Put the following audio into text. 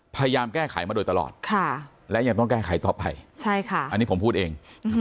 พยายามแก้ไขมาโดยตลอดและยังต้องแก้ไขต่อไปใช่ค่ะอันนี้ผมพูดเอง